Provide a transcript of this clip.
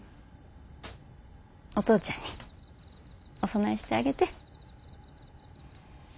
お父ちゃんにお供えしてあげて。